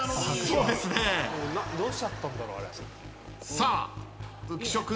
さあ浮所君